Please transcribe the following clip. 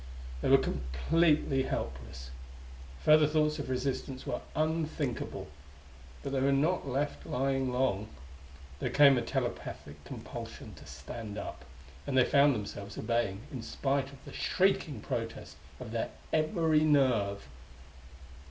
They were completely helpless; further thoughts of resistance were unthinkable. But they were not left lying long. There came a telepathic compulsion to stand up; and they found themselves obeying, in spite of the shrieking protest of their every nerve.